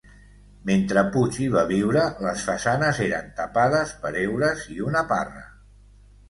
Mentre Puig hi va viure les façanes eren tapades per heures i una parra.